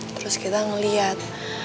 terus kita ngeliat